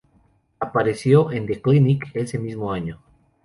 Apareció en "The Clinic" ese mismo año.